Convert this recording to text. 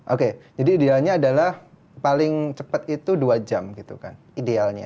oke jadi idealnya adalah paling cepat itu dua jam gitu kan idealnya